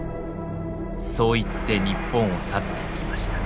そう言って日本を去っていきました。